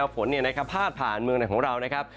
ฝนพาดผ่านเมืองไหนของเรานะครับ